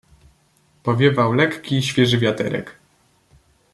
"Powiewał lekki, świeży wiaterek."